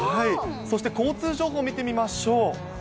そして交通情報見てみましょう。